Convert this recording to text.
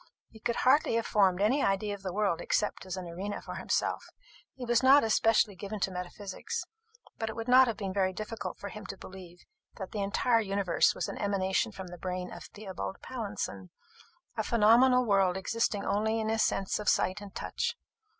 He could hardly have formed any idea of the world except as an arena for himself. He was not especially given to metaphysics; but it would not have been very difficult for him to believe that the entire universe was an emanation from the brain of Theobald Pallinson a phenomenal world existing only in his sense of sight and touch.